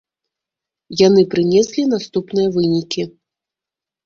Яны прынеслі наступныя вынікі.